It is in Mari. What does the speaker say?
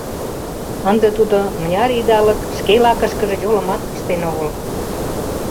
Ынде тудо мыняр идалык шке лакышкыже йолымат пыштен огыл?